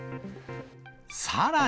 さらに。